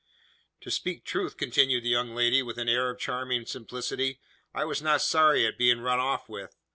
"To speak truth," continued the young lady, with an air of charming simplicity, "I was not sorry at being run off with.